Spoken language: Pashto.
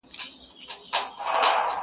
د ویده اولس تر کوره هنګامه له کومه راوړو٫